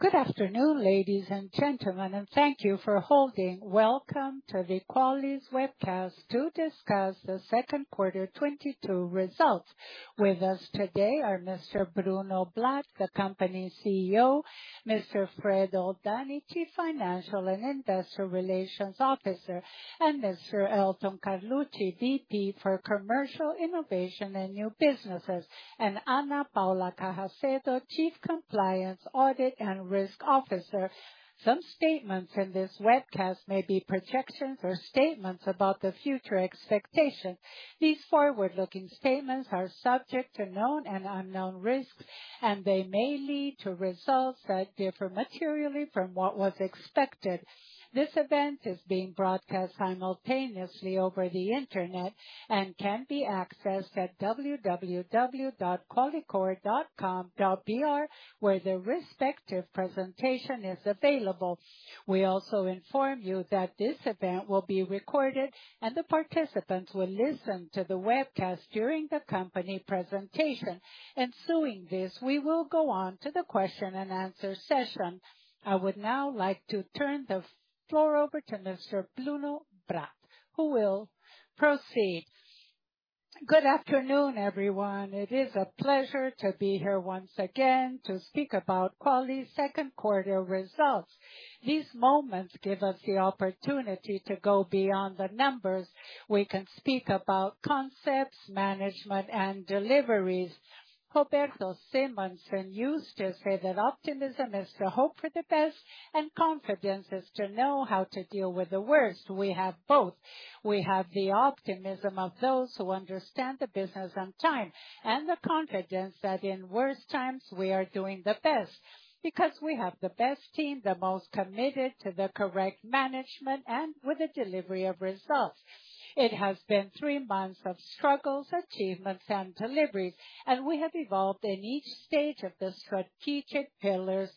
Good afternoon, ladies and gentlemen, and thank you for holding. Welcome to the Quali's webcast to discuss the second quarter 2022 results. With us today are Mr. Bruno Blatt, the company's CEO, Mr. Fred Oldani, Chief Financial and Industrial Relations Officer, and Mr. Elton Carluci, VP for Commercial Innovation and New Businesses, and Ana Paula Carracedo, Chief Compliance, Audit and Risk Officer. Some statements in this webcast may be projections or statements about the future expectations. These forward-looking statements are subject to known and unknown risks, and they may lead to results that differ materially from what was expected. This event is being broadcast simultaneously over the Internet and can be accessed at www.qualicorp.com.br, where the respective presentation is available. We also inform you that this event will be recorded and the participants will listen to the webcast during the company presentation. Following this, we will go on to the question-and-answer session. I would now like to turn the floor over to Mr. Bruno Blatt, who will proceed. Good afternoon, everyone. It is a pleasure to be here once again to speak about Quali's second quarter results. These moments give us the opportunity to go beyond the numbers. We can speak about concepts, management and deliveries. Roberto Simonsen used to say that optimism is to hope for the best and confidence is to know how to deal with the worst. We have both. We have the optimism of those who understand the business and time, and the confidence that in worse times we are doing the best because we have the best team, the most committed to the correct management and with the delivery of results. It has been three months of struggles, achievements and deliveries, and we have evolved in each stage of the strategic pillars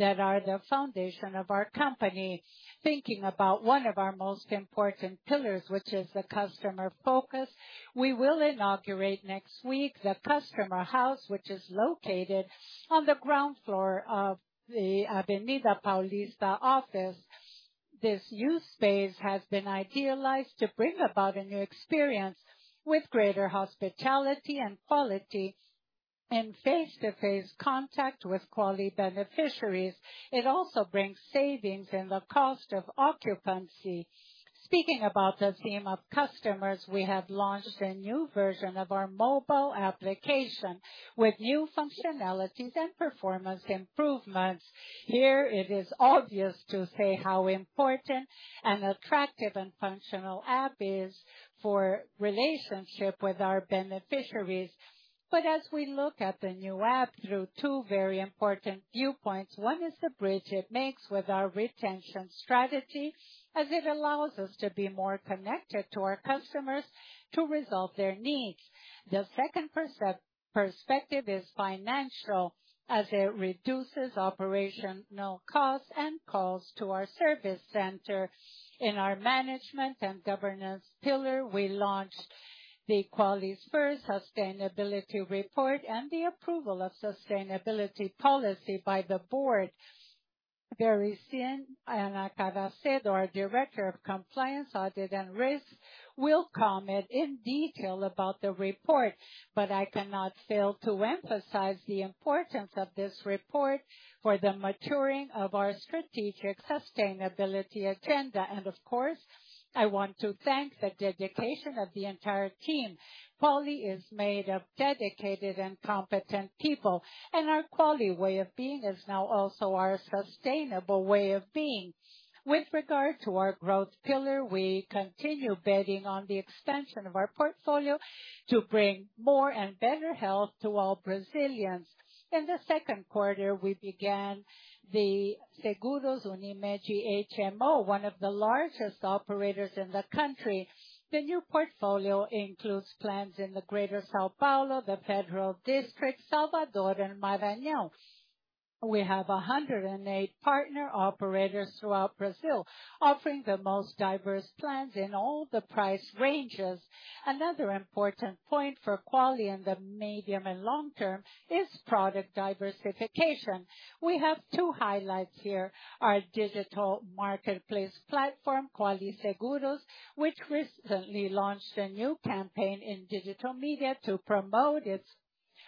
that are the foundation of our company. Thinking about one of our most important pillars, which is the customer focus, we will inaugurate next week the customer house, which is located on the ground floor of the Avenida Paulista office. This new space has been idealized to bring about a new experience with greater hospitality and quality in face-to-face contact with Quali beneficiaries. It also brings savings in the cost of occupancy. Speaking about the theme of customers, we have launched a new version of our mobile application with new functionalities and performance improvements. Here it is obvious to say how important and attractive and functional app is for relationship with our beneficiaries. As we look at the new app through two very important viewpoints, one is the bridge it makes with our retention strategy, as it allows us to be more connected to our customers to resolve their needs. The second perspective is financial, as it reduces operational costs and calls to our service center. In our management and governance pillar, we launched the Quali's first sustainability report and the approval of sustainability policy by the board. Very soon, Ana Paula Carracedo, our Director of Compliance, Audit and Risk, will comment in detail about the report. I cannot fail to emphasize the importance of this report for the maturing of our strategic sustainability agenda. Of course, I want to thank the dedication of the entire team. Quali is made of dedicated and competent people, and our Quali way of being is now also our sustainable way of being. With regard to our growth pillar, we continue betting on the expansion of our portfolio to bring more and better health to all Brazilians. In the second quarter, we began the Seguros Unimed HMO, one of the largest operators in the country. The new portfolio includes plans in the Greater São Paulo, the Federal District, Salvador and Maranhão. We have 108 partner operators throughout Brazil, offering the most diverse plans in all the price ranges. Another important point for Quali in the medium and long term is product diversification. We have two highlights here. Our digital marketplace platform, Quali Seguros, which recently launched a new campaign in digital media to promote its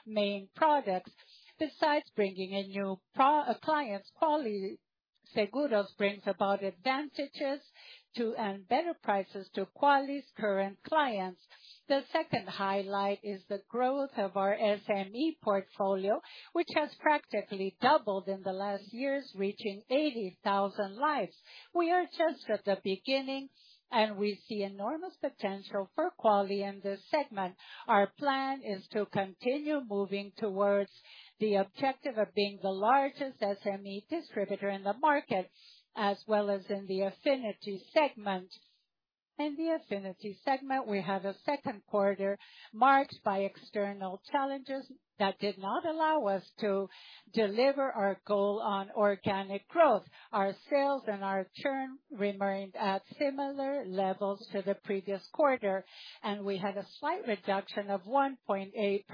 main products. Besides bringing in new clients, Quali Seguros brings about advantages and better prices to Quali's current clients. The second highlight is the growth of our SME portfolio, which has practically doubled in the last years, reaching 80,000 lives. We are just at the beginning, and we see enormous potential for Quali in this segment. Our plan is to continue moving towards the objective of being the largest SME distributor in the market, as well as in the affinity segment. In the affinity segment, we have a second quarter marked by external challenges that did not allow us to deliver our goal on organic growth. Our sales and our churn remained at similar levels to the previous quarter, and we had a slight reduction of 1.8%.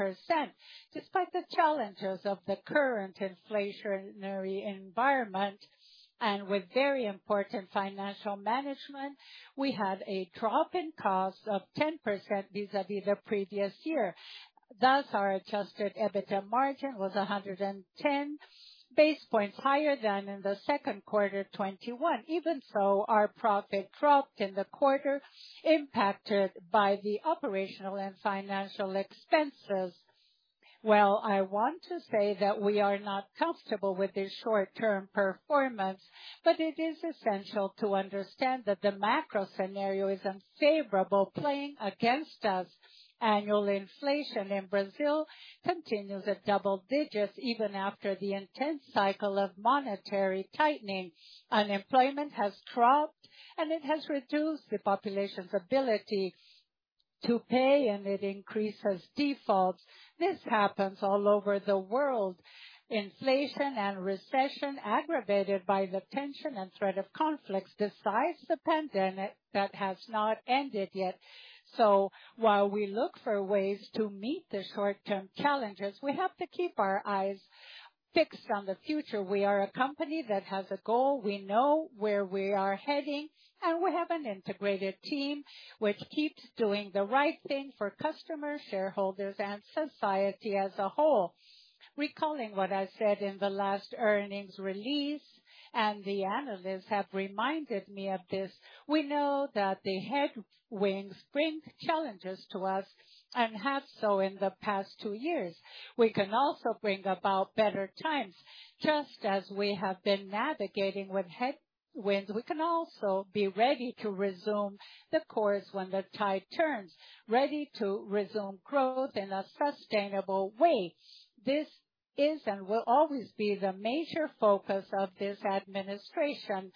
Despite the challenges of the current inflationary environment and with very important financial management, we had a drop in costs of 10% vis-à-vis the previous year. Thus, our adjusted EBITDA margin was 110 basis points higher than in the second quarter 2021. Even so, our profit dropped in the quarter, impacted by the operational and financial expenses. Well, I want to say that we are not comfortable with this short-term performance, but it is essential to understand that the macro scenario is unfavorable playing against us. Annual inflation in Brazil continues at double digits even after the intense cycle of monetary tightening. Unemployment has dropped, and it has reduced the population's ability to pay, and it increases defaults. This happens all over the world. Inflation and recession aggravated by the tension and threat of conflicts besides the pandemic that has not ended yet. While we look for ways to meet the short-term challenges, we have to keep our eyes fixed on the future. We are a company that has a goal. We know where we are heading, and we have an integrated team which keeps doing the right thing for customers, shareholders, and society as a whole. Recalling what I said in the last earnings release, and the analysts have reminded me of this, we know that the headwinds bring challenges to us and have so in the past two years. We can also bring about better times. Just as we have been navigating with headwinds, we can also be ready to resume the course when the tide turns. Ready to resume growth in a sustainable way. This is and will always be the major focus of this administration.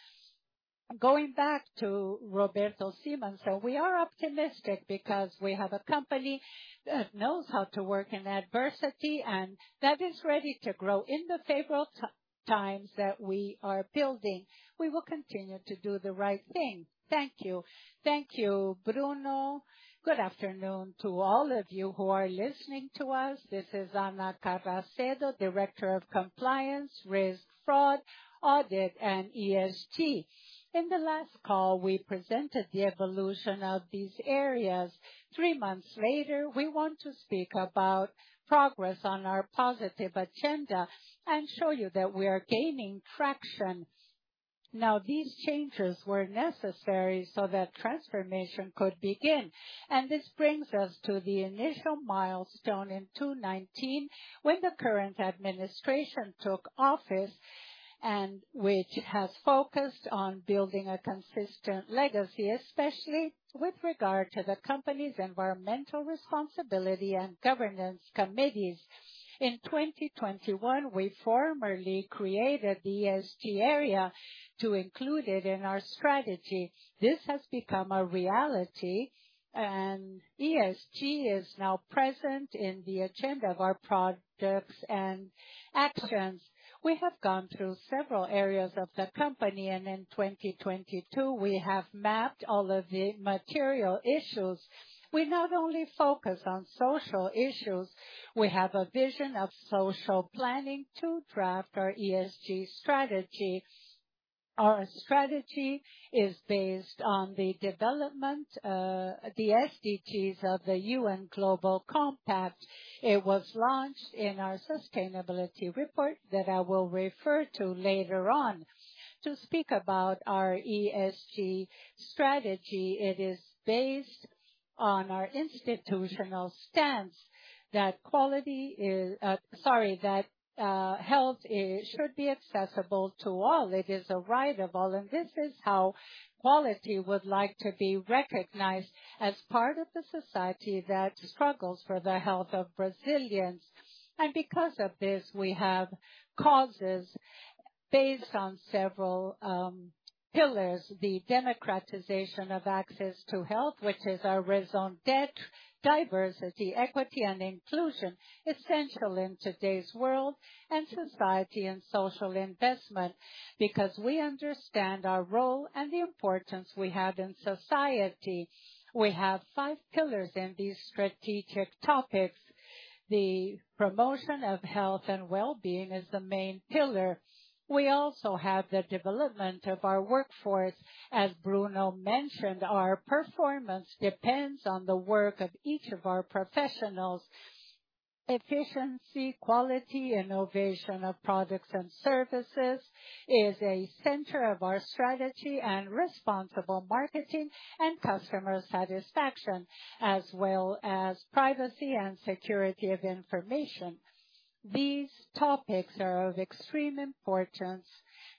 Going back to Roberto Simonsen, we are optimistic because we have a company that knows how to work in adversity and that is ready to grow in the favorable times that we are building. We will continue to do the right thing. Thank you. Thank you, Bruno. Good afternoon to all of you who are listening to us. This is Ana Paula Carracedo, Director of Compliance, Risk, Fraud, Audit, and ESG. In the last call, we presented the evolution of these areas. Three months later, we want to speak about progress on our positive agenda and show you that we are gaining traction. Now, these changes were necessary so that transformation could begin, and this brings us to the initial milestone in 2019 when the current administration took office, and which has focused on building a consistent legacy, especially with regard to the company's environmental responsibility and governance committees. In 2021, we formally created the ESG area to include it in our strategy. This has become a reality, and ESG is now present in the agenda of our products and actions. We have gone through several areas of the company, and in 2022, we have mapped all of the material issues. We not only focus on social issues, we have a vision of social planning to draft our ESG strategy. Our strategy is based on the development, the SDGs of the UN Global Compact. It was launched in our sustainability report that I will refer to later on. To speak about our ESG strategy, it is based on our institutional stance that health should be accessible to all. It is a right of all, and this is how Quali would like to be recognized as part of the society that struggles for the health of Brazilians. Because of this, we have causes based on several pillars. The democratization of access to health, which is our raison d'être, diversity, equity, and inclusion, essential in today's world, and society and social investment, because we understand our role and the importance we have in society. We have five pillars in these strategic topics. The promotion of health and wellbeing is the main pillar. We also have the development of our workforce. As Bruno mentioned, our performance depends on the work of each of our professionals. Efficiency, quality, innovation of products and services is a center of our strategy and responsible marketing and customer satisfaction, as well as privacy and security of information. These topics are of extreme importance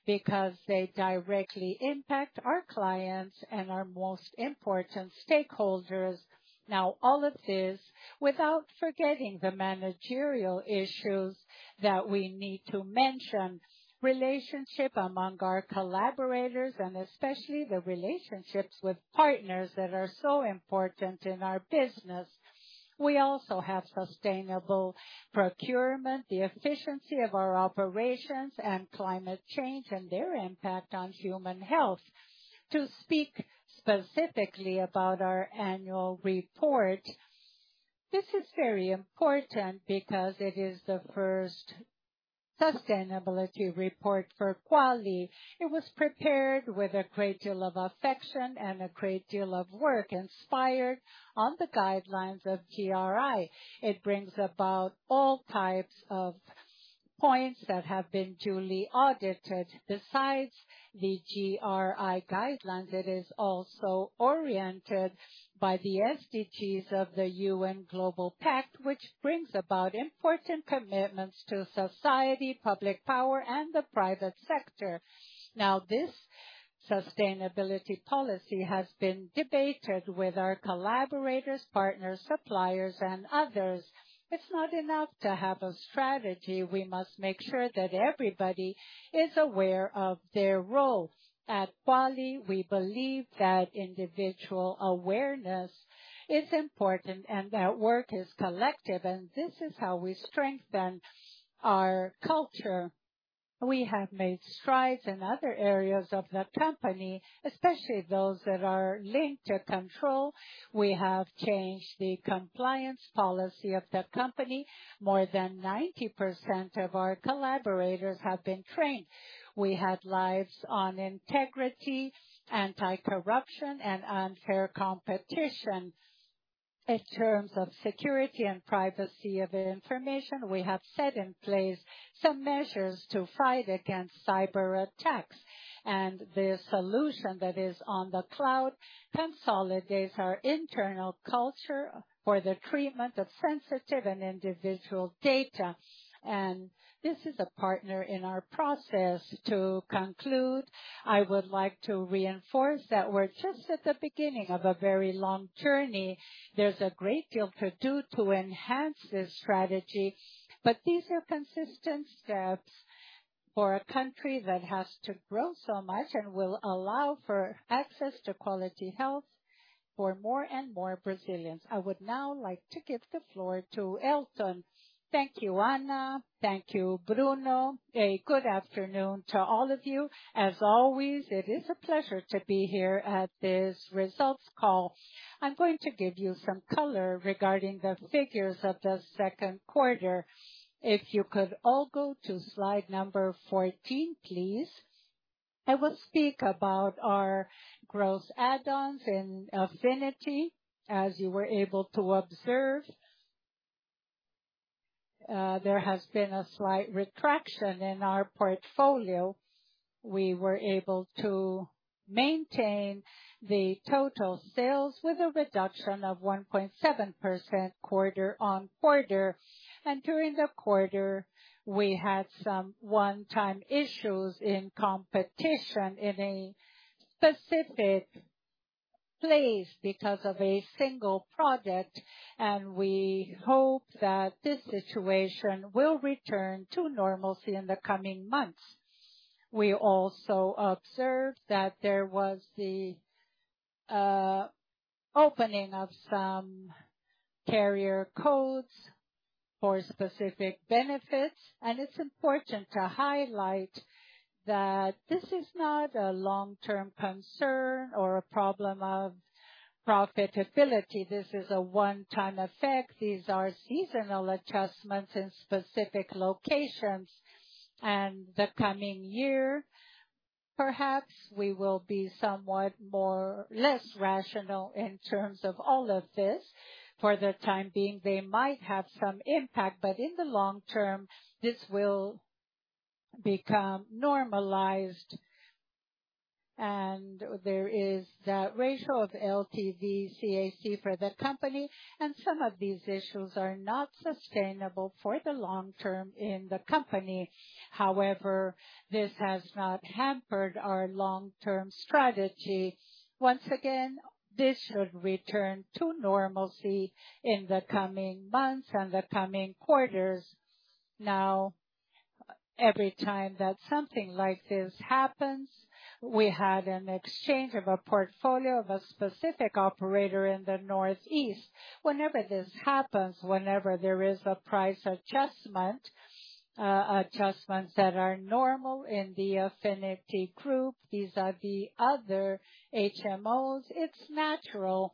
because they directly impact our clients and our most important stakeholders. Now, all of this without forgetting the managerial issues that we need to mention. Relationship among our collaborators, and especially the relationships with partners that are so important in our business. We also have sustainable procurement, the efficiency of our operations and climate change and their impact on human health. To speak specifically about our annual report, this is very important because it is the first Sustainability report for Quali. It was prepared with a great deal of affection and a great deal of work inspired on the guidelines of GRI. It brings about all types of points that have been duly audited. Besides the GRI guidelines, it is also oriented by the SDGs of the UN Global Compact, which brings about important commitments to society, public power, and the private sector. This sustainability policy has been debated with our collaborators, partners, suppliers, and others. It's not enough to have a strategy. We must make sure that everybody is aware of their role. At Quali, we believe that individual awareness is important and that work is collective, and this is how we strengthen our culture. We have made strides in other areas of the company, especially those that are linked to control. We have changed the compliance policy of the company. More than 90% of our collaborators have been trained. We have lives on integrity, anti-corruption, and unfair competition. In terms of security and privacy of information, we have set in place some measures to fight against cyberattacks, and the solution that is on the cloud consolidates our internal culture for the treatment of sensitive and individual data. This is a partner in our process. To conclude, I would like to reinforce that we're just at the beginning of a very long journey. There's a great deal to do to enhance this strategy, but these are consistent steps for a country that has to grow so much and will allow for access to quality health for more and more Brazilians. I would now like to give the floor to Elton. Thank you, Ana. Thank you, Bruno. Good afternoon to all of you. As always, it is a pleasure to be here at this results call. I'm going to give you some color regarding the figures of the second quarter. If you could all go to slide number 14, please. I will speak about our gross add-ons and affinity. As you were able to observe, there has been a slight contraction in our portfolio. We were able to maintain the total sales with a reduction of 1.7% quarter-on-quarter. During the quarter, we had some one-time issues in competition in a specific place because of a single project, and we hope that this situation will return to normalcy in the coming months. We also observed that there was the opening of some carrier codes for specific benefits, and it's important to highlight that this is not a long-term concern or a problem of profitability. This is a one-time effect. These are seasonal adjustments in specific locations. The coming year, perhaps we will be somewhat less rational in terms of all of this. For the time being, they might have some impact, but in the long term, this will become normalized. There is the ratio of LTV CAC for the company, and some of these issues are not sustainable for the long term in the company. However, this has not hampered our long-term strategy. Once again, this should return to normalcy in the coming months and the coming quarters. Now, every time that something like this happens, we had an exchange of a portfolio of a specific operator in the Northeast. Whenever this happens, whenever there is a price adjustment, adjustments that are normal in the Affinity Group, vis-à-vis other HMOs, it's natural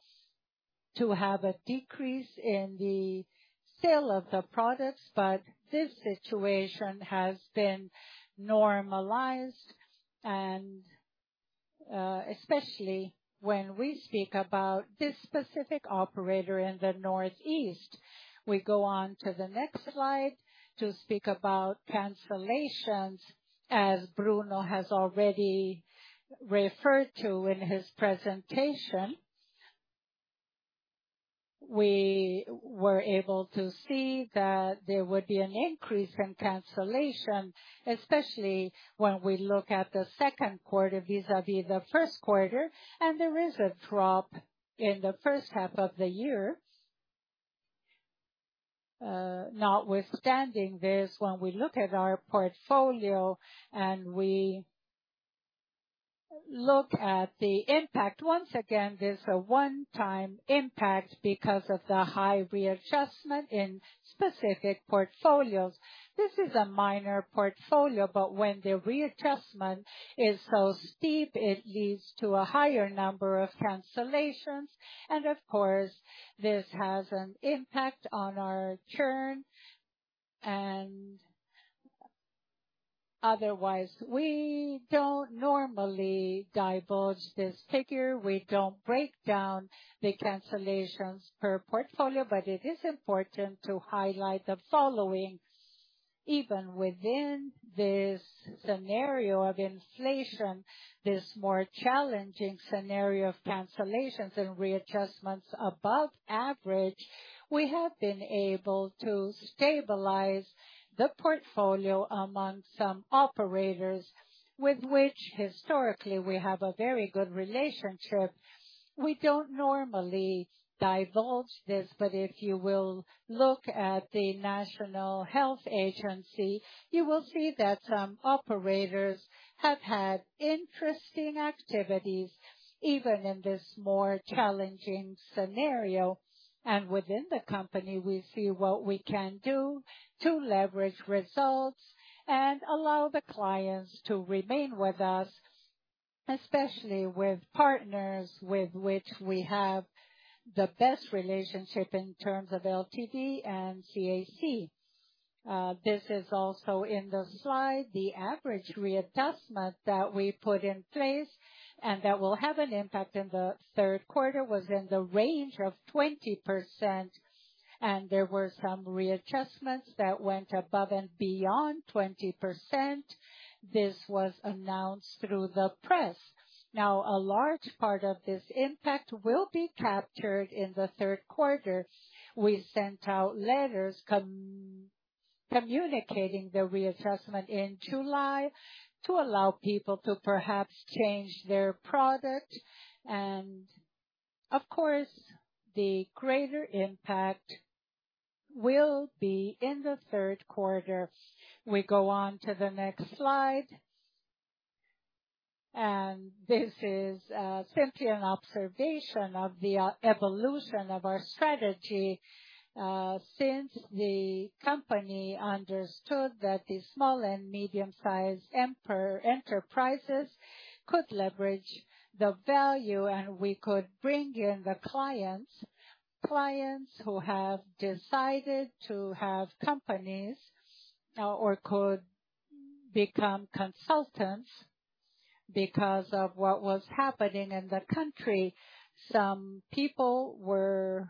to have a decrease in the sale of the products, but this situation has been normalized, and especially when we speak about this specific operator in the Northeast. We go on to the next slide to speak about cancellations. As Bruno has already referred to in his presentation, we were able to see that there would be an increase in cancellation, especially when we look at the second quarter vis-à-vis the first quarter, and there is a drop in the first half of the year. Notwithstanding this, when we look at our portfolio and we look at the impact, once again, there's a one-time impact because of the high readjustment in specific portfolios. This is a minor portfolio, but when the readjustment is so steep, it leads to a higher number of cancellations, and of course, this has an impact on our churn. Otherwise, we don't normally divulge this figure. We don't break down the cancellations per portfolio, but it is important to highlight the following. Even within this scenario of inflation, this more challenging scenario of cancellations and readjustments above average, we have been able to stabilize the portfolio among some operators with which historically we have a very good relationship. We don't normally divulge this, but if you will look at the National Health Agency, you will see that some operators have had interesting activities, even in this more challenging scenario. Within the company, we see what we can do to leverage results and allow the clients to remain with us, especially with partners with which we have the best relationship in terms of LTV and CAC. This is also in the slide. The average readjustment that we put in place and that will have an impact in the third quarter was in the range of 20%, and there were some readjustments that went above and beyond 20%. This was announced through the press. Now, a large part of this impact will be captured in the third quarter. We sent out letters communicating the reassessment in July to allow people to perhaps change their product. Of course, the greater impact will be in the third quarter. We go on to the next slide. This is simply an observation of the evolution of our strategy since the company understood that the small and medium-sized enterprises could leverage the value, and we could bring in the clients. Clients who have decided to have companies or could become consultants because of what was happening in the country. Some people were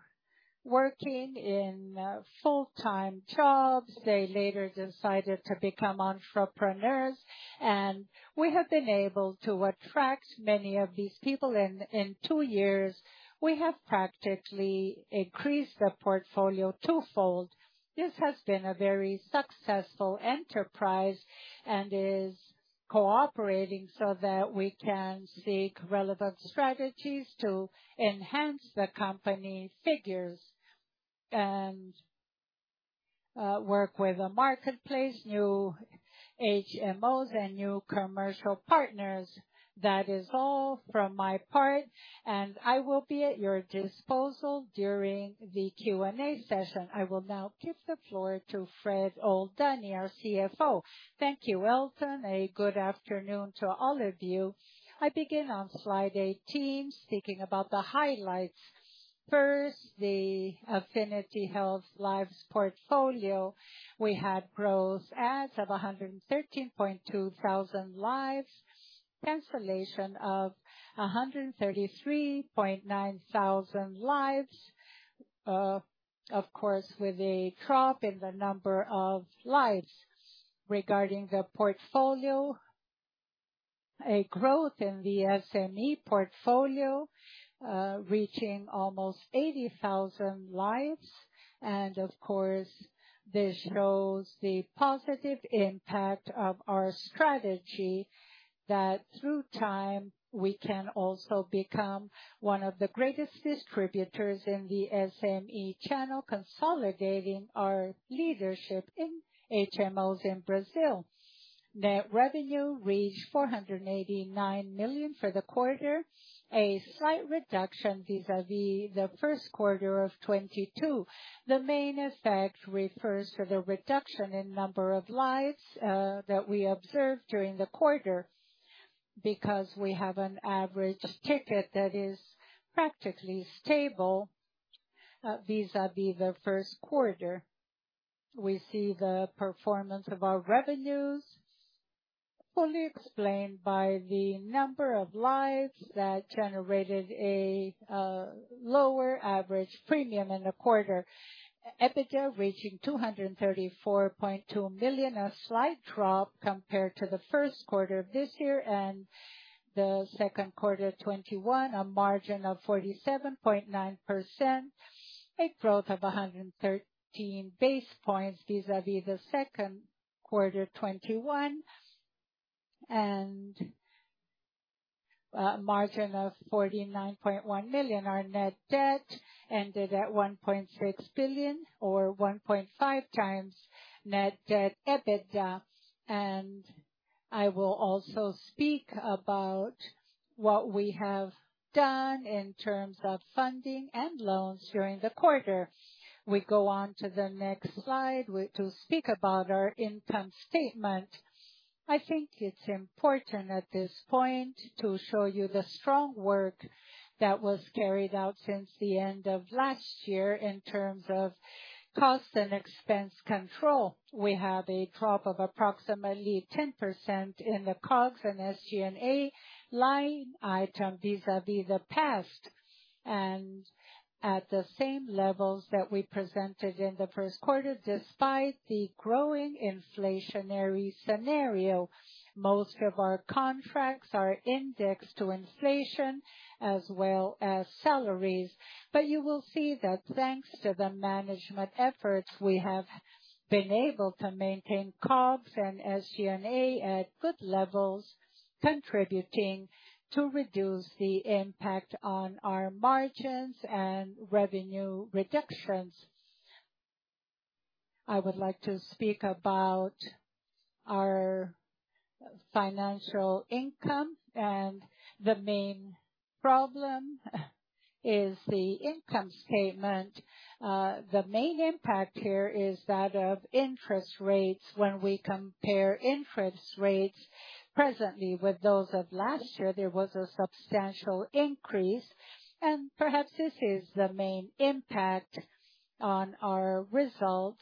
working in full-time jobs. They later decided to become entrepreneurs, and we have been able to attract many of these people. In two years, we have practically increased the portfolio twofold. This has been a very successful enterprise and is cooperating so that we can seek relevant strategies to enhance the company's figures and, work with the marketplace, new HMOs and new commercial partners. That is all from my part, and I will be at your disposal during the Q&A session. I will now give the floor to Fred Oldani, our CFO. Thank you, Elton. A good afternoon to all of you. I begin on slide 18, speaking about the highlights. First, the Affinity Health lives portfolio. We had gross adds of 113,200 lives, cancellation of 133,900 lives, of course, with a drop in the number of lives. Regarding the portfolio, a growth in the SME portfolio, reaching almost 80,000 lives. Of course, this shows the positive impact of our strategy that through time, we can also become one of the greatest distributors in the SME channel, consolidating our leadership in HMOs in Brazil. Net revenue reached 489 million for the quarter, a slight reduction vis-à-vis the first quarter of 2022. The main effect refers to the reduction in number of lives that we observed during the quarter because we have an average ticket that is practically stable vis-à-vis the first quarter. We see the performance of our revenues fully explained by the number of lives that generated a lower average premium in the quarter. EBITDA reaching 234.2 million, a slight drop compared to the first quarter of this year and the second quarter of 2021, a margin of 47.9%, a growth of 113 base points vis-à-vis the second quarter 2021, and a margin of 49.1 million. Our net debt ended at 1.6 billion or 1.5 times net debt EBITDA. I will also speak about what we have done in terms of funding and loans during the quarter. We go on to the next slide to speak about our income statement. I think it's important at this point to show you the strong work that was carried out since the end of last year in terms of cost and expense control. We have a drop of approximately 10% in the COGS and SG&A line item vis-à-vis the past. At the same levels that we presented in the first quarter, despite the growing inflationary scenario. Most of our contracts are indexed to inflation as well as salaries. You will see that thanks to the management efforts, we have been able to maintain COGS and SG&A at good levels, contributing to reduce the impact on our margins and revenue reductions. I would like to speak about our financial income, and the main problem is the income statement. The main impact here is that of interest rates. When we compare interest rates presently with those of last year, there was a substantial increase, and perhaps this is the main impact on our results,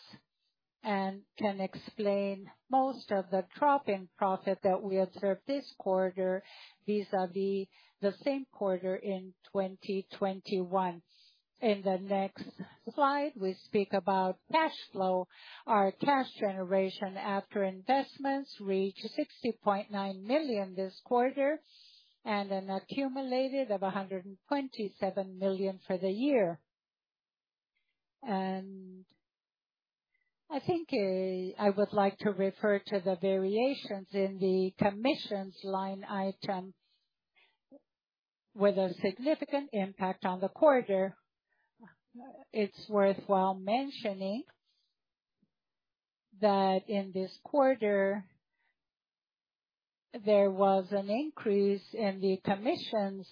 and can explain most of the drop in profit that we observed this quarter vis-à-vis the same quarter in 2021. In the next slide, we speak about cash flow. Our cash generation after investments reached 60.9 million this quarter, and an accumulated of 127 million for the year. I think, I would like to refer to the variations in the commissions line item with a significant impact on the quarter. It's worthwhile mentioning that in this quarter, there was an increase in the commissions.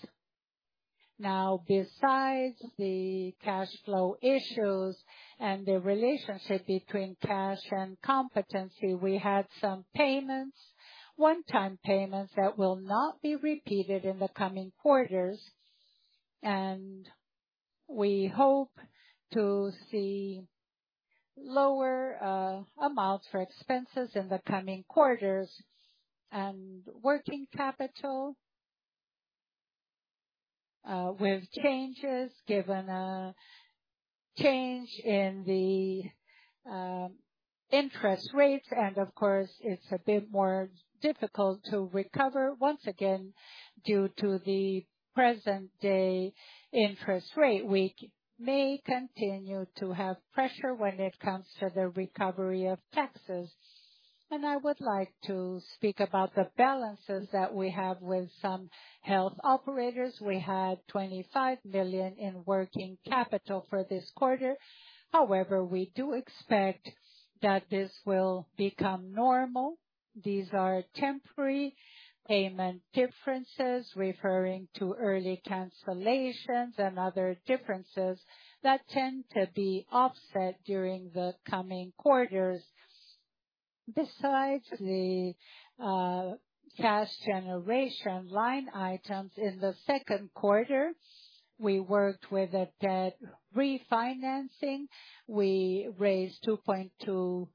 Now, besides the cash flow issues and the relationship between cash and contingency, we had some payments, one-time payments, that will not be repeated in the coming quarters. We hope to see lower amounts for expenses in the coming quarters. Working capital with changes, given a change in the interest rates, and of course, it's a bit more difficult to recover once again due to the present-day interest rate. We may continue to have pressure when it comes to the recovery of taxes. I would like to speak about the balances that we have with some health operators. We had 25 million in working capital for this quarter. However, we do expect that this will become normal. These are temporary payment differences referring to early cancellations and other differences that tend to be offset during the coming quarters. Besides the cash generation line items in the second quarter, we worked with a debt refinancing. We raised 2.2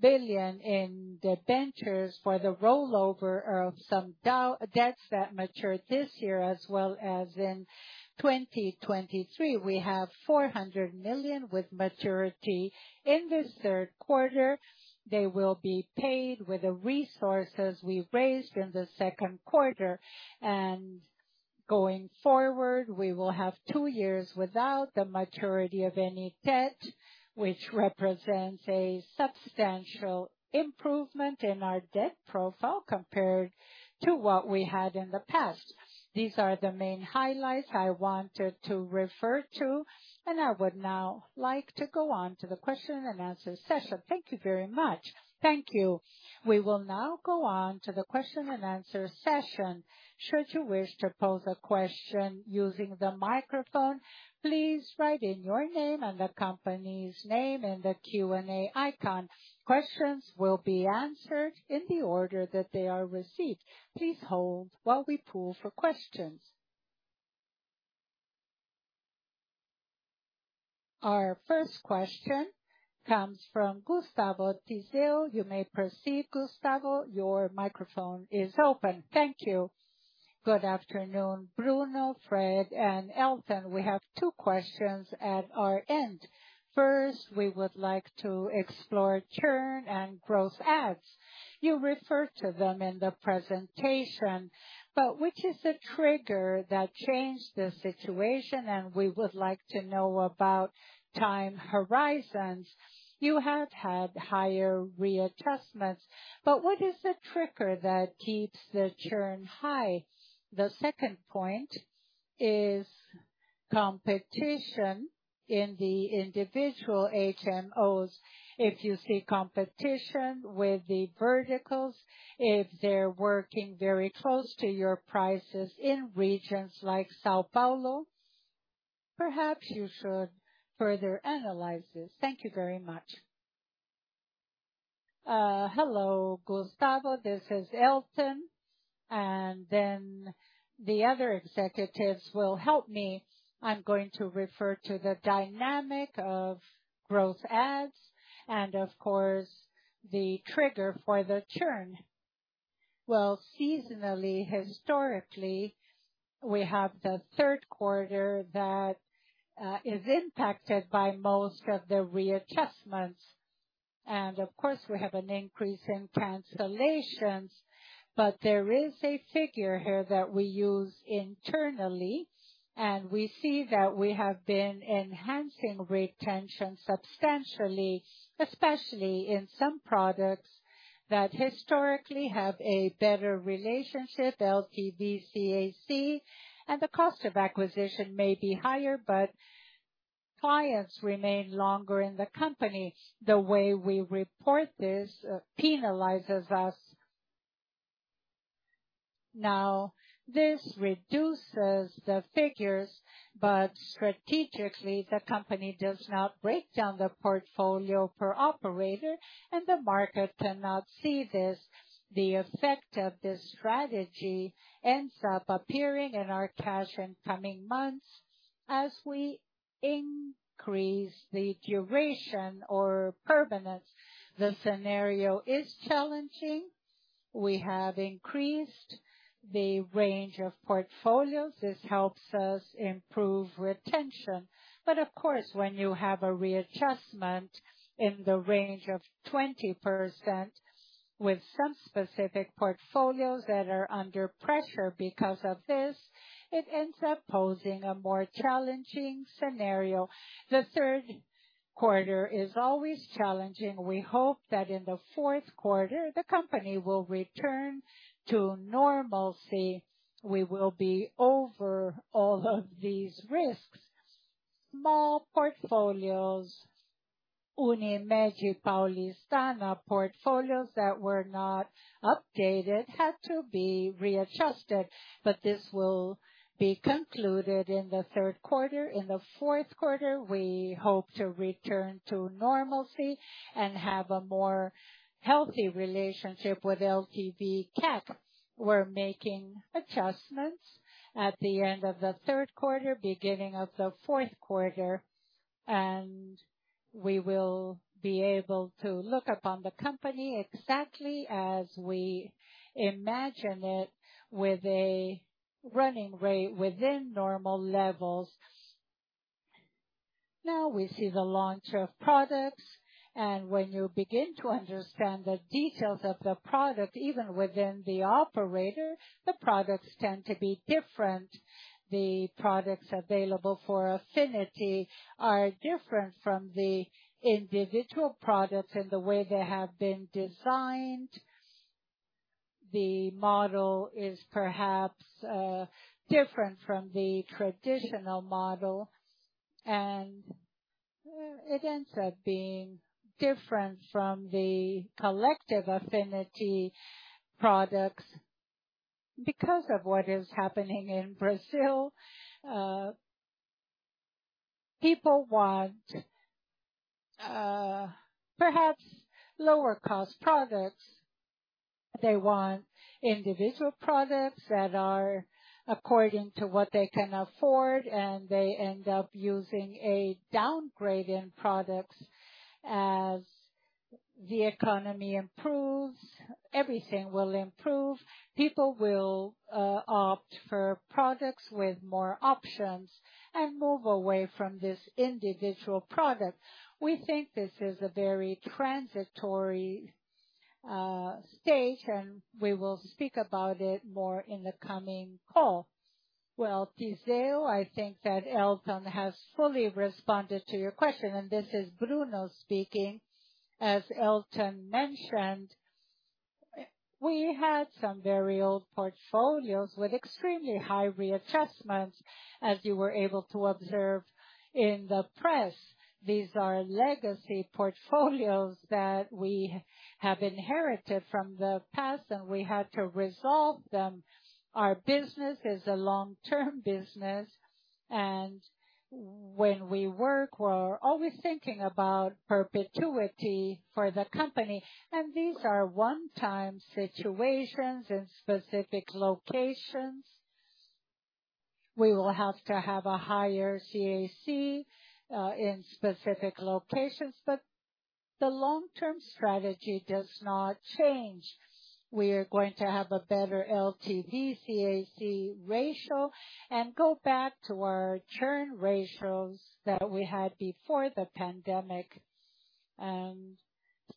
billion in debentures for the rollover of some debts that mature this year, as well as in 2023. We have 400 million with maturity. In this third quarter, they will be paid with the resources we raised in the second quarter. Going forward, we will have two years without the maturity of any debt, which represents a substantial improvement in our debt profile compared to what we had in the past. These are the main highlights I wanted to refer to, and I would now like to go on to the question and answer session. Thank you very much. Thank you. We will now go on to the question and answer session. Should you wish to pose a question using the microphone, please write in your name and the company's name in the Q&A icon. Questions will be answered in the order that they are received. Please hold while we poll for questions. Our first question comes from Gustavo Tiseo. You may proceed, Gustavo. Your microphone is open. Thank you. Good afternoon, Bruno, Fred, and Elton. We have two questions at our end. First, we would like to explore churn and growth adds. You referred to them in the presentation, but which is the trigger that changed the situation? And we would like to know about time horizons. You have had higher readjustments, but what is the trigger that keeps the churn high? The second point is competition in the individual HMOs. If you see competition with the verticals, if they're working very close to your prices in regions like São Paulo, perhaps you should further analyze this. Thank you very much. Hello, Gustavo. This is Elton, and then the other executives will help me. I'm going to refer to the dynamic of growth ads and of course, the trigger for the churn. Well, seasonally, historically, we have the third quarter that is impacted by most of the readjustments. Of course, we have an increase in cancellations. There is a figure here that we use internally, and we see that we have been enhancing retention substantially, especially in some products that historically have a better relationship, LTV CAC, and the cost of acquisition may be higher, but clients remain longer in the company. The way we report this penalizes us. Now, this reduces the figures, but strategically, the company does not break down the portfolio per operator, and the market cannot see this. The effect of this strategy ends up appearing in our cash in coming months as we increase the duration or permanence. The scenario is challenging. We have increased the range of portfolios. This helps us improve retention. Of course, when you have a readjustment in the range of 20% with some specific portfolios that are under pressure because of this, it ends up posing a more challenging scenario. The third quarter is always challenging. We hope that in the fourth quarter, the company will return to normalcy. We will be over all of these risks. Small portfolios, Unimed and Paulistana, portfolios that were not updated had to be readjusted, but this will be concluded in the third quarter. In the fourth quarter, we hope to return to normalcy and have a more healthy relationship with LTV/CAC. We're making adjustments at the end of the third quarter, beginning of the fourth quarter, and we will be able to look upon the company exactly as we imagine it with a running rate within normal levels. Now we see the launch of products, and when you begin to understand the details of the product, even within the operator, the products tend to be different. The products available for affinity are different from the individual products in the way they have been designed. The model is perhaps, different from the traditional model, and, it ends up being different from the collective affinity products. Because of what is happening in Brazil, people want, perhaps lower cost products. They want individual products that are according to what they can afford, and they end up using a downgrade in products. As the economy improves, everything will improve. People will opt for products with more options and move away from this individual product. We think this is a very transitory stage, and we will speak about it more in the coming call. Well, Tiseo, I think that Elton has fully responded to your question, and this is Bruno speaking. As Elton mentioned, we had some very old portfolios with extremely high readjustments, as you were able to observe in the press. These are legacy portfolios that we have inherited from the past, and we had to resolve them. Our business is a long-term business, and when we work, we're always thinking about perpetuity for the company, and these are one-time situations in specific locations. We will have to have a higher CAC in specific locations, but the long-term strategy does not change. We are going to have a better LTV CAC ratio and go back to our churn ratios that we had before the pandemic.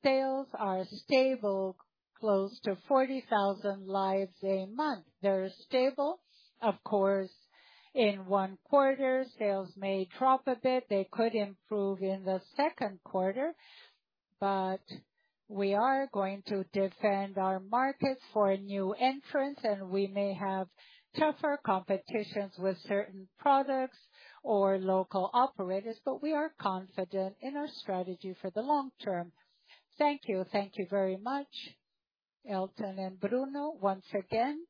Sales are stable, close to 40,000 lives a month. They're stable. Of course, in one quarter, sales may drop a bit. They could improve in the second quarter. We are going to defend our market for new entrants, and we may have tougher competitions with certain products or local operators, but we are confident in our strategy for the long term. Thank you. Thank you very much, Elton and Bruno. Once again.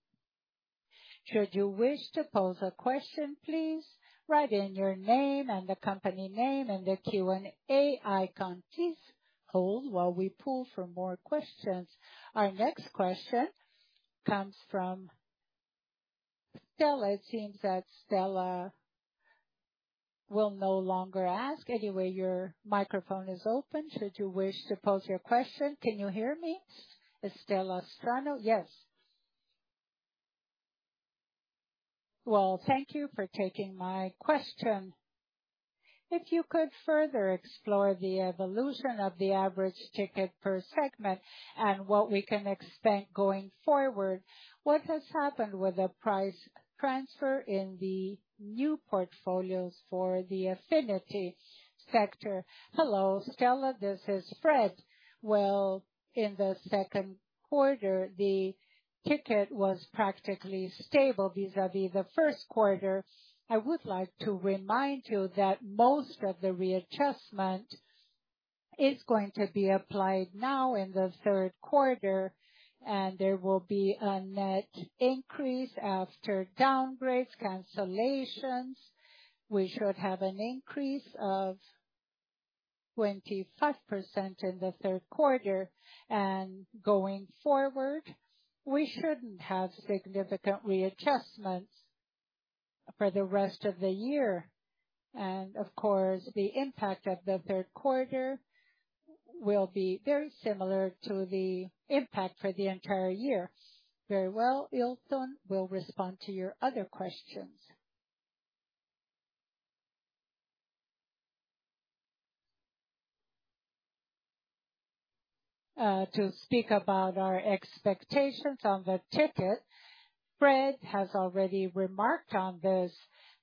Should you wish to pose a question, please write in your name and the company name in the Q&A icon. Please hold while we pull for more questions. Our next question comes from Estela. It seems that Estela will no longer ask. Anyway, your microphone is open should you wish to pose your question. Can you hear me, Estela Strano? Yes. Well, thank you for taking my question. If you could further explore the evolution of the average ticket per segment and what we can expect going forward, what has happened with the price transfer in the new portfolios for the affinity sector? Hello, Estela. This is Fred. Well, in the second quarter, the ticket was practically stable vis-a-vis the first quarter. I would like to remind you that most of the readjustment is going to be applied now in the third quarter, and there will be a net increase after downgrades, cancellations. We should have an increase of 25% in the third quarter. Going forward, we shouldn't have significant readjustments for the rest of the year. Of course, the impact of the third quarter will be very similar to the impact for the entire year. Very well. Elton will respond to your other questions. To speak about our expectations on the ticket, Fred has already remarked on this.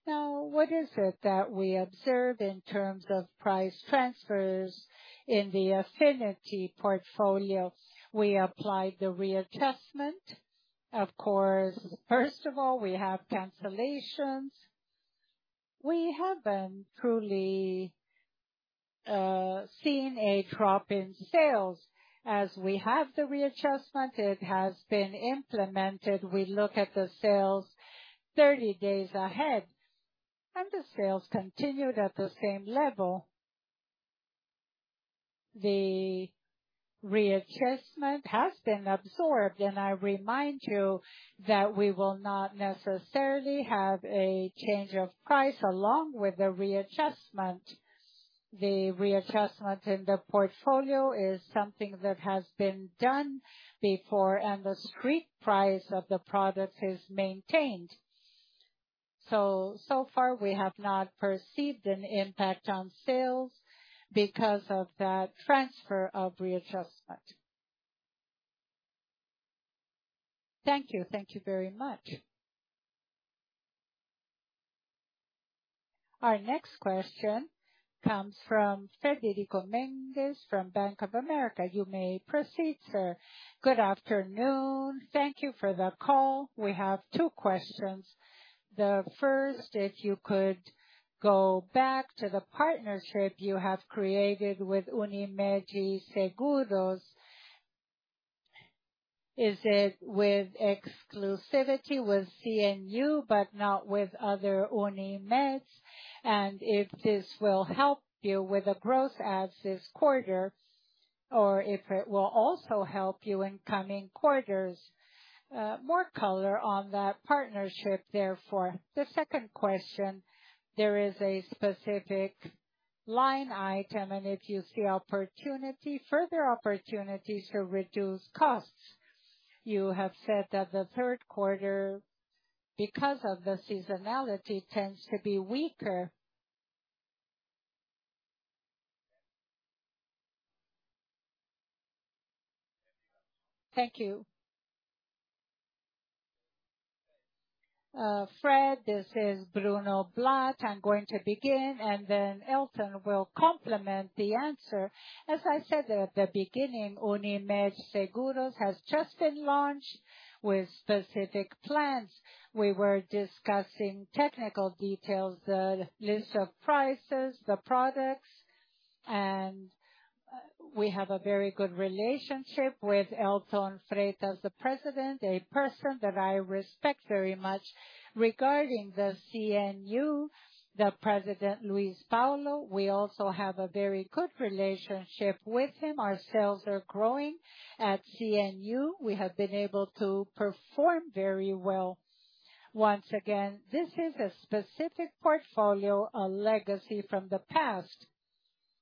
Now, what is it that we observe in terms of price transfers in the affinity portfolio? We applied the readjustment, of course. First of all, we have cancellations. We haven't truly seen a drop in sales. As we have the readjustment, it has been implemented. We look at the sales 30 days ahead, and the sales continued at the same level. The readjustment has been absorbed, and I remind you that we will not necessarily have a change of price along with the readjustment. The readjustment in the portfolio is something that has been done before, and the street price of the product is maintained. So far, we have not perceived an impact on sales because of that transfer of readjustment. Thank you. Thank you very much. Our next question comes from Frederico Mendes from Bank of America. You may proceed, Sir. Good afternoon. Thank you for the call. We have two questions. The first, if you could go back to the partnership you have created with Unimed Seguros. Is it with exclusivity with CNU but not with other Unimeds? And if this will help you with the growth in this quarter or if it will also help you in coming quarters. More color on that partnership, therefore. The second question, there is a specific line item and if you see opportunity for further opportunities to reduce costs. You have said that the third quarter, because of the seasonality, tends to be weaker. Thank you. Fred, this is Bruno Blatt. I'm going to begin, and then Elton will complement the answer. As I said at the beginning, Unimed Seguros has just been launched with specific plans. We were discussing technical details, the list of prices, the products, and we have a very good relationship with Elton Freitas, the President, a person that I respect very much. Regarding the CNU, the President, Luiz Paulo, we also have a very good relationship with him. Our sales are growing. At CNU, we have been able to perform very well. Once again, this is a specific portfolio, a legacy from the past.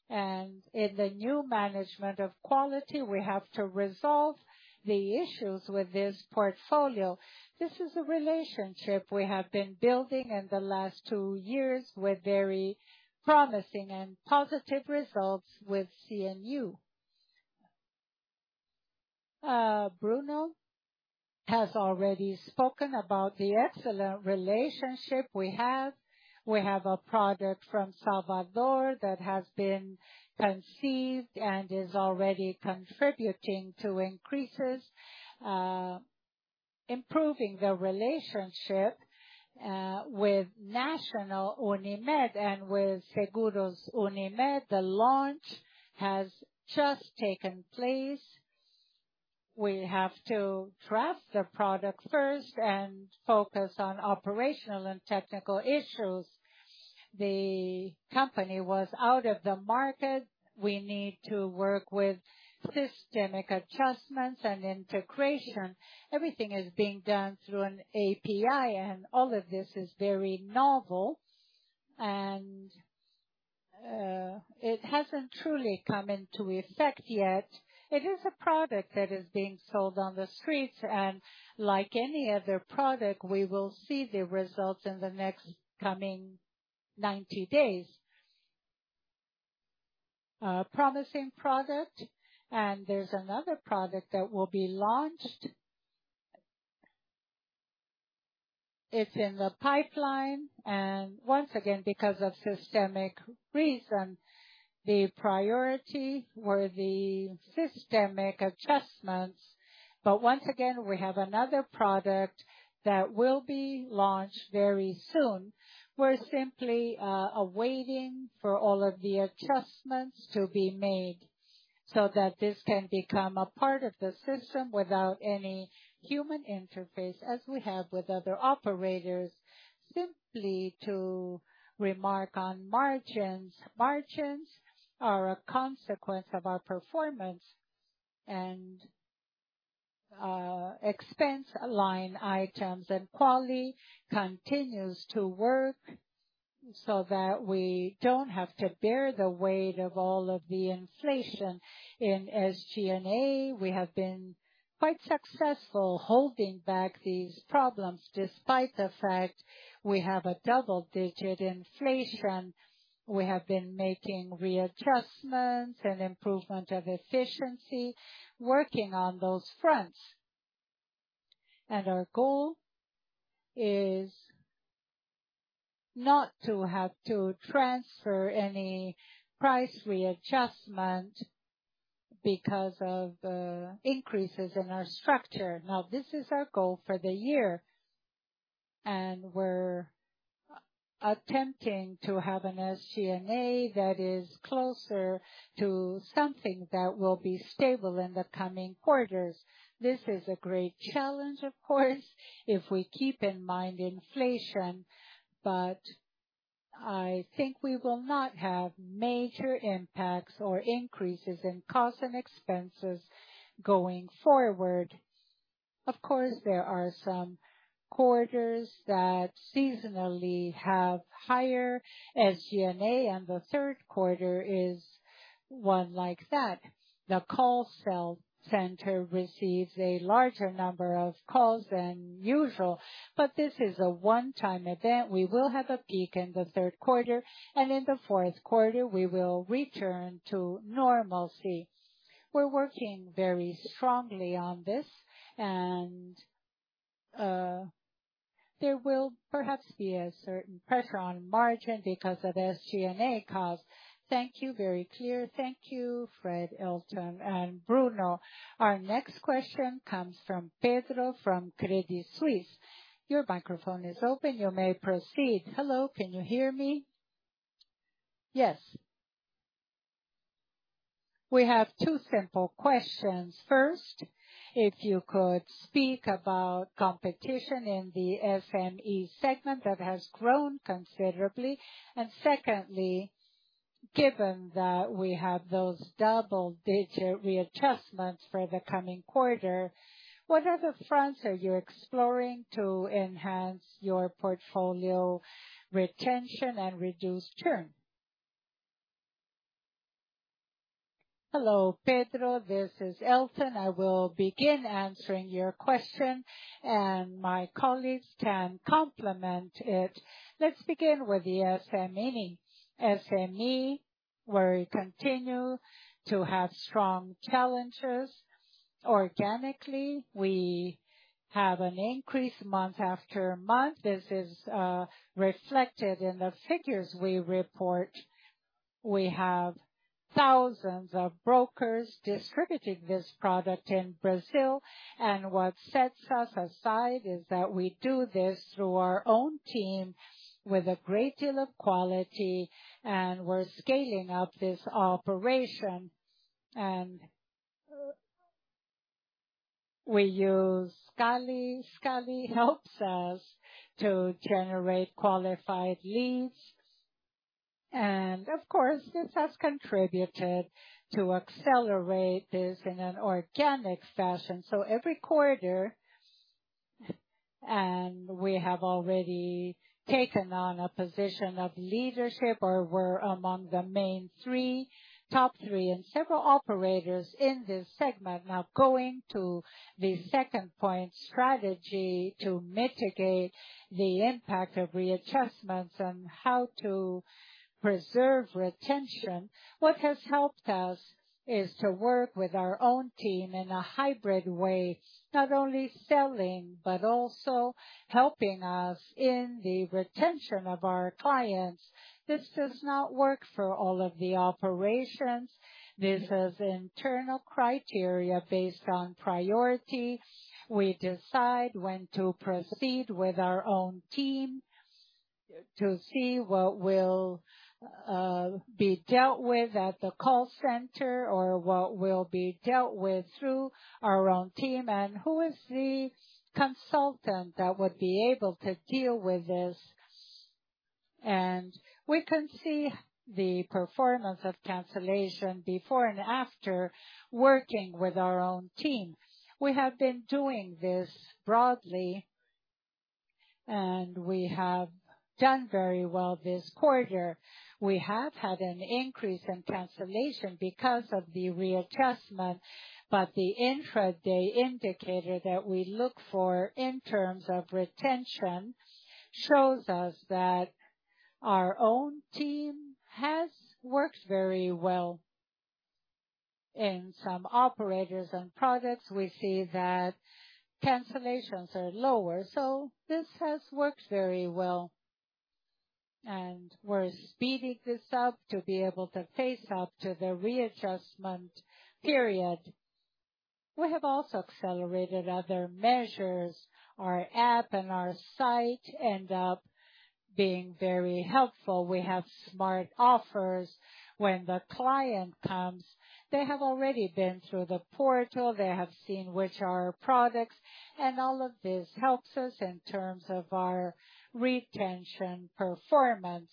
In the new management of Quali, we have to resolve the issues with this portfolio. This is a relationship we have been building in the last two years with very promising and positive results with CNU. Bruno has already spoken about the excellent relationship we have. We have a product from Salvador that has been conceived and is already contributing to increases, improving the relationship with Central Nacional Unimed and with Seguros Unimed. The launch has just taken place. We have to trust the product first and focus on operational and technical issues. The company was out of the market. We need to work with systemic adjustments and integration. Everything is being done through an API, and all of this is very novel. It hasn't truly come into effect yet. It is a product that is being sold on the streets, and like any other product, we will see the results in the next coming 90 days. A promising product, and there's another product that will be launched. It's in the pipeline, and once again, because of systemic reason, the priority were the systemic adjustments. Once again, we have another product that will be launched very soon. We're simply awaiting for all of the adjustments to be made so that this can become a part of the system without any human interface, as we have with other operators. Simply to remark on margins. Margins are a consequence of our performance and expense line items. Quali continues to work so that we don't have to bear the weight of all of the inflation. In SG&A, we have been quite successful holding back these problems despite the fact we have a double-digit inflation. We have been making readjustments and improvement of efficiency working on those fronts. Our goal is not to have to transfer any price readjustment because of increases in our structure. Now, this is our goal for the year. We're attempting to have an SG&A that is closer to something that will be stable in the coming quarters. This is a great challenge, of course, if we keep in mind inflation, but I think we will not have major impacts or increases in costs and expenses going forward. Of course, there are some quarters that seasonally have higher SG&A, and the third quarter is one like that. The call center receives a larger number of calls than usual, but this is a one-time event. We will have a peak in the third quarter, and in the fourth quarter we will return to normalcy. We're working very strongly on this and there will perhaps be a certain pressure on margin because of SG&A costs. Thank you. Very clear. Thank you, Fred, Elton, and Bruno. Our next question comes from Pedro from Credit Suisse. Your microphone is open. You may proceed. Hello, can you hear me? Yes. We have two simple questions. First, if you could speak about competition in the SME segment that has grown considerably. Secondly, given that we have those double-digit readjustments for the coming quarter, what other fronts are you exploring to enhance your portfolio retention and reduce churn? Hello, Pedro. This is Elton. I will begin answering your question, and my colleagues can complement it. Let's begin with the SME. SME, where we continue to have strong challenges organically. We have an increase month after month. This is reflected in the figures we report. We have thousands of brokers distributing this product in Brazil. What sets us apart is that we do this through our own team with a great deal of quality, and we're scaling up this operation. We use Escale. Escale helps us to generate qualified leads. Of course, this has contributed to accelerate this in an organic fashion. Every quarter we have already taken on a position of leadership, or we're among the main three, top three in several operators in this segment. Now going to the second point, strategy to mitigate the impact of readjustments and how to preserve retention. What has helped us is to work with our own team in a hybrid way, not only selling but also helping us in the retention of our clients. This does not work for all of the operations. This is internal criteria based on priority. We decide when to proceed with our own team to see what will be dealt with at the call center or what will be dealt with through our own team, and who is the consultant that would be able to deal with this. We can see the performance of cancellation before and after working with our own team. We have been doing this broadly, and we have done very well this quarter. We have had an increase in cancellation because of the readjustment, but the intraday indicator that we look for in terms of retention shows us that our own team has worked very well. In some operators and products, we see that cancellations are lower, so this has worked very well. We're speeding this up to be able to face up to the readjustment period. We have also accelerated other measures. Our app and our site end up being very helpful. We have smart offers. When the client comes, they have already been through the portal. They have seen which are our products, and all of this helps us in terms of our retention performance.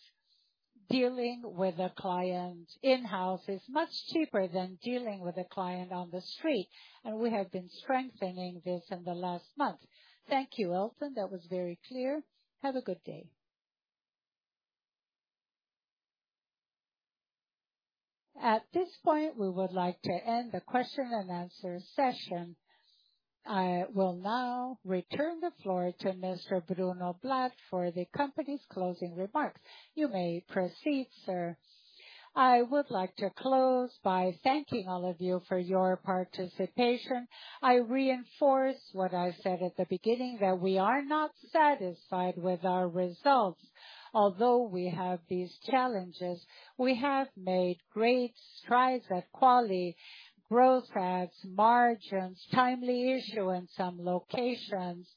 Dealing with a client in-house is much cheaper than dealing with a client on the street, and we have been strengthening this in the last month. Thank you, Elton. That was very clear. Have a good day. At this point, we would like to end the question and answer session. I will now return the floor to Mr. Bruno Blatt for the company's closing remarks. You may proceed, Sir. I would like to close by thanking all of you for your participation. I reinforce what I said at the beginning, that we are not satisfied with our results. Although we have these challenges, we have made great strides at Quali. Growth and margins, timely issues in some locations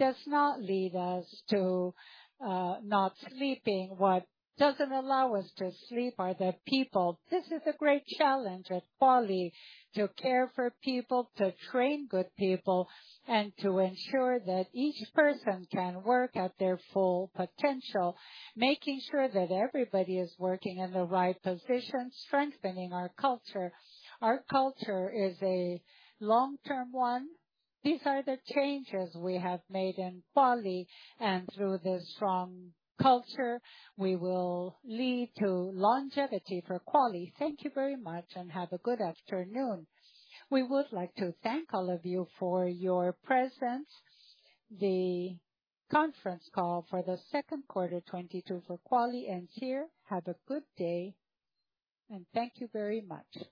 does not lead us to not sleeping. What doesn't allow us to sleep are the people. This is a great challenge at Quali, to care for people, to train good people, and to ensure that each person can work at their full potential, making sure that everybody is working in the right position, strengthening our culture. Our culture is a long-term one. These are the changes we have made in Quali, and through this strong culture, we will lead to longevity for Quali. Thank you very much and have a good afternoon. We would like to thank all of you for your presence. The conference call for the second quarter 2022 for Quali ends here. Have a good day and thank you very much.